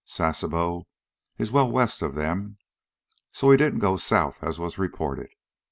Sasebo is well west of them. So he didn't go south, as was reported.